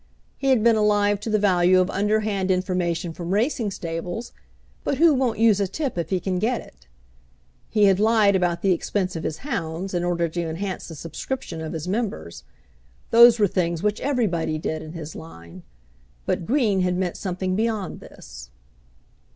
He had been alive to the value of underhand information from racing stables, but who won't use a tip if he can get it? He had lied about the expense of his hounds, in order to enhance the subscription of his members. Those were things which everybody did in his line. But Green had meant something beyond this.